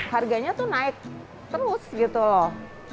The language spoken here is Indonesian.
harganya tuh naik terus gitu loh